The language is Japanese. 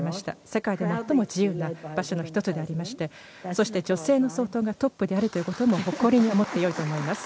世界で最も自由な場所の１つでありましてそして、女性の総統がトップであることも誇りに思ってよいと思います。